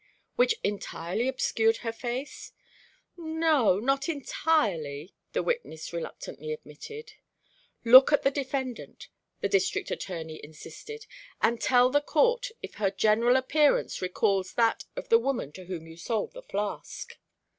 "Which entirely obscured her face?" "No, not entirely," the witness reluctantly admitted. "Look at the defendant," the District Attorney insisted, "and tell the court if her general appearance recalls that of the woman to whom you sold the flask."